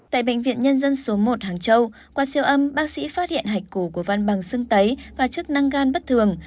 tại bệnh viện nhân dân số một hàng châu qua siêu âm bác sĩ phát hiện hạch cổ của văn bằng sưng tấy và chức năng gan bất thường